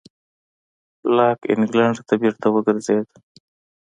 لاک انګلېنډ ته بېرته وګرځېد.